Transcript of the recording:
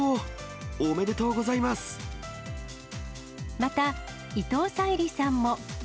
また伊藤沙莉さんも。